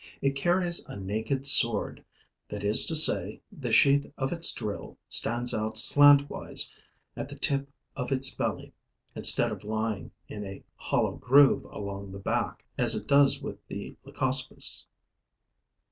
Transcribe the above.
It carries a naked sword, that is to say, the sheath of its drill stands out slantwise at the tip of its belly, instead of lying in a hollow groove along the back, as it does with the Leucospis.